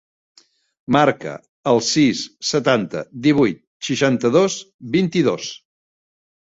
Marca el sis, setanta, divuit, seixanta-dos, vint-i-dos.